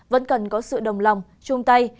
vẫn cần có sự đồng lòng chung tay